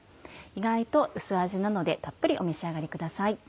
意外と薄味なのでたっぷりお召し上がりください。